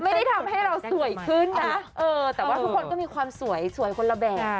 ไม่ได้ทำให้เราสวยขึ้นนะเออแต่ว่าทุกคนก็มีความสวยสวยคนละแบบ